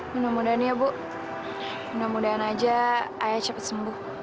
mudah mudahan ya bu mudah mudahan aja ayah cepat sembuh